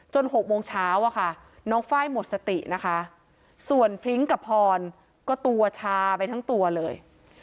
๖โมงเช้าอะค่ะน้องไฟล์หมดสตินะคะส่วนพริ้งกับพรก็ตัวชาไปทั้งตัวเลย